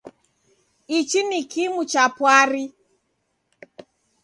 Ichi ni kimu cha pwari.